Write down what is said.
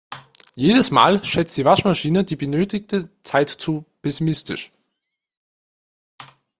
Jedes Mal schätzt die Waschmaschine die benötigte Zeit zu pessimistisch.